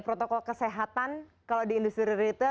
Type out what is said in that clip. protokol kesehatan kalau di industri retail